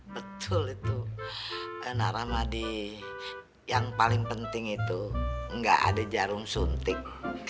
betul itu naramadi yang paling penting itu enggak ada jarum suntik